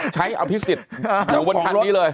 ใช้อภิสิสอยู่บนคันนี้เลย